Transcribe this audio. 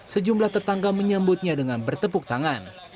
sejumlah tetangga menyambutnya dengan bertepuk tangan